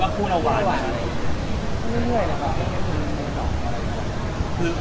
เต๋อคิดว่าหูนวาลไม่มาขนาดนั้นนะครับ